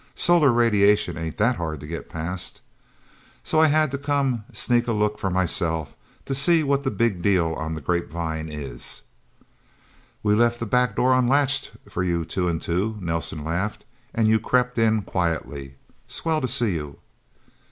Solar radiation ain't that hard to get past... So I had to come sneak a look for myself, to see what the Big Deal on the grapevine is." "We left the back door unlatched for you, Two and Two," Nelsen laughed. "And you crept in quietly. Swell to see you."